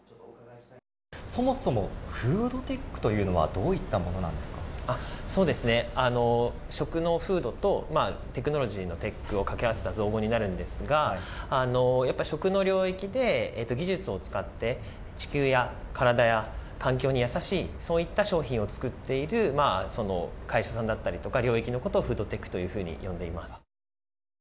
そもそもフードテックというのは食のフードとテクノロジーのテックを掛け合わせた造語になるんですが食の領域で技術を使って地球や体や環境にやさしいそういった商品を作っている会社だったり領域のことをフードテックと呼んでいます。